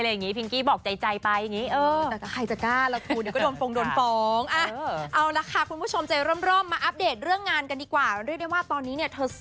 เราไปฟังเธออัพเดทกันดีกว่าค่ะ